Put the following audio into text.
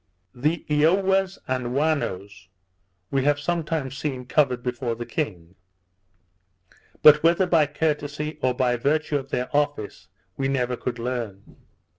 The Eowas and Whannos, we have sometimes seen covered before the king; but whether by courtesy, or by virtue of their office, we never could learn.